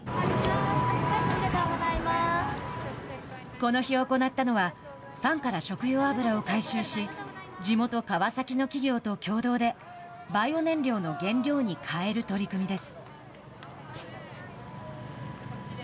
この日行ったのはファンから食用油を回収し地元川崎の企業と共同でバイオ燃料の原料に変える取り組みです。